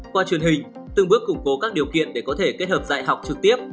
qua truyền hình từng bước củng cố các điều kiện để có thể kết hợp dạy học trực tiếp